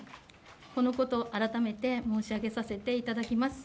このこと、改めて申し上げさせていただきます。